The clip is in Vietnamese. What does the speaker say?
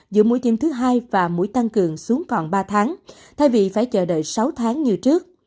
giữa mũi tiêm thứ hai và mũi tăng cường xuống còn ba tháng thay vì phải chờ đợi sáu tháng như trước